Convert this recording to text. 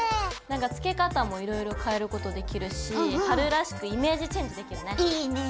なんかつけ方もいろいろ変えることできるし春らしくイメージチェンジできるね。